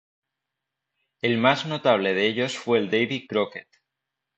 El más notable de ellos fue el Davy Crockett.